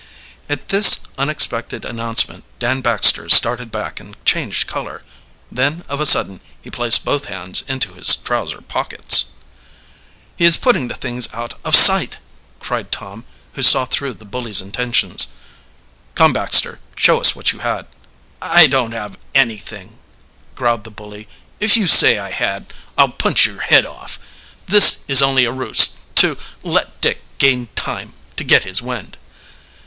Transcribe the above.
At this unexpected announcement Dan Baxter started back and changed color. Then of a sudden he placed both hands into his trouser pockets. "He is putting the things out of sight!" cried Tom, who saw through the bully's intentions. "Come, Baxter, show us what you had." "I didn't have anything," growled the bully. "If you say I had I'll punch your head off. This is only a ruse to, let Dick gain time to get his wind."